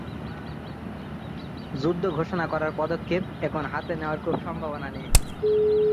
যুদ্ধ ঘোষণা করার পদক্ষেপ এখন হাতে নেওয়ার খুব সম্ভাবনা নেই।